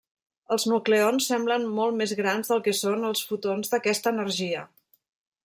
Els nucleons semblen molt més grans del que són els fotons d'aquesta energia.